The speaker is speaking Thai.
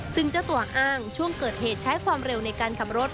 ซึ่งเจ้าตัวอ้างช่วงเกิดเหตุใช้ความเร็วในการขับรถ